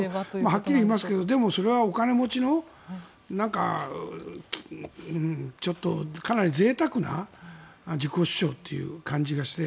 はっきり言いますけどそれはお金持ちのちょっとかなりぜいたくな自己主張という感じがして。